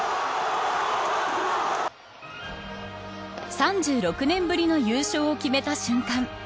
３６年ぶりの優勝を決めた瞬間。